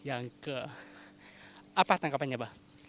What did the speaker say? apa tangkapannya abah